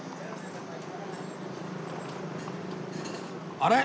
あれ？